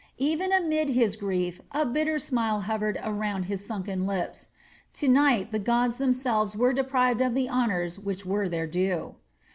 Even amid his grief a bitter smile hovered around his sunken lips; to night the gods themselves were deprived of the honors which were their due.